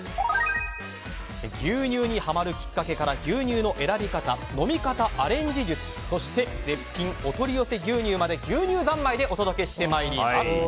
牛乳にハマるきっかけから牛乳の選び方飲み方、アレンジ術そして絶品お取り寄せ牛乳まで牛乳三昧でお届けしてまいります。